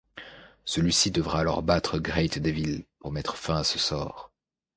Celui-ci devra alors battre Great Devil pour mettre fin à ce sort.